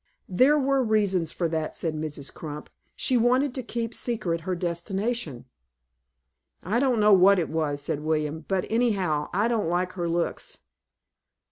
"There were reasons for that," said Mrs. Crump, "she wanted to keep secret her destination." "I don't know what it was," said William; "but any how, I don't like her looks."